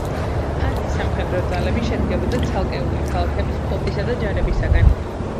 ჰანზის სამხედრო ძალები შედგებოდა ცალკეული ქალაქების ფლოტისა და ჯარებისაგან.